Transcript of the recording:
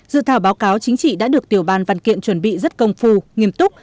dự thảo báo cáo chính trị đã được tiểu ban văn kiện chuẩn bị rất công phu nghiêm túc